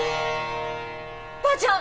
ばあちゃん